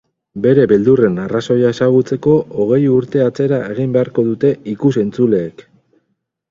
Bere beldurren arrazoia ezagutzeko hogei urte atzera egin beharko dute ikus entzuleek.